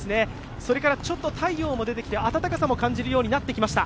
それから太陽も出てきて、暖かさも感じるようになってきました。